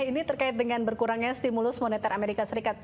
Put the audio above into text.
ini terkait dengan berkurangnya stimulus moneter amerika serikat